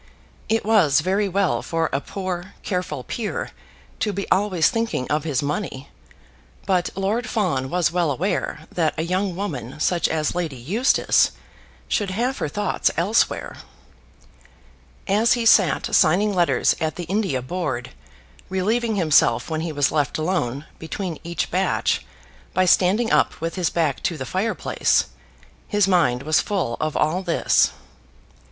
It was very well for a poor, careful peer to be always thinking of his money, but Lord Fawn was well aware that a young woman such as Lady Eustace should have her thoughts elsewhere. As he sat signing letters at the India Board, relieving himself when he was left alone between each batch by standing up with his back to the fire place, his mind was full of all this.